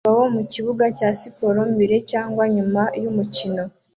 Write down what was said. Abagabo mukibuga cya siporo mbere cyangwa nyuma yumukino